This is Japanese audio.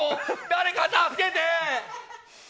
誰か助けて！